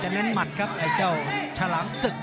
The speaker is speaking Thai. เน้นหมัดครับไอ้เจ้าฉลามศึก